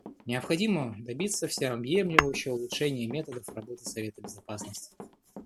Необходимо добиться всеобъемлющего улучшения методов работы Совета Безопасности.